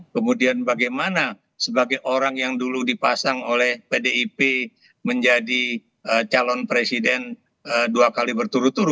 kemudian bagaimana sebagai orang yang dulu dipasang oleh pdip menjadi calon presiden dua kali berturut turut